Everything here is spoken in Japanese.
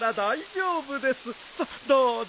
さっどうぞ。